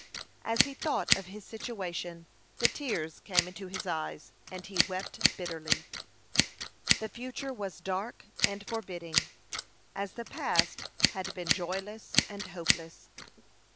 As he thought of his situation, the tears came into his eyes, and he wept bitterly. The future was dark and forbidding, as the past had been joyless and hopeless.